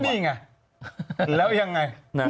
นี่ไงแล้วยังไง